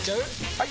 ・はい！